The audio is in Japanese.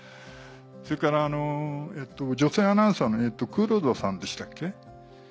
それから女性アナウンサーの黒田さんでしたっけ？